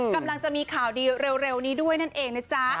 กำลังจะมีข่าวดีเร็วนี้ด้วยนั่นเองนะจ๊ะ